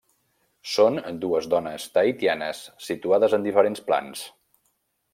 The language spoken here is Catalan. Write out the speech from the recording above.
Són dues dones tahitianes situades en diferents plans.